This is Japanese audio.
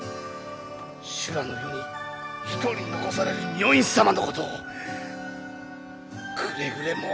修羅の世に一人残される女院様のことくれぐれも。